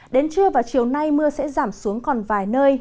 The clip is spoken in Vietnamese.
đến trưa và chiều nay mưa sẽ giảm xuống còn vài nơi